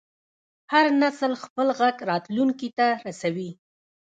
هر نسل خپل غږ راتلونکي ته رسوي.